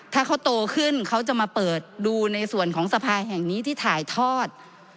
ถ้าเขาโตขึ้นเขาจะมาเปิดดูในส่วนของสภาแห่งนี้ที่ถ่ายทอด